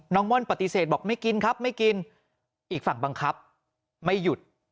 ม่อนปฏิเสธบอกไม่กินครับไม่กินอีกฝั่งบังคับไม่หยุด